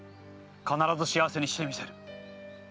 必ず幸せにしてみせる。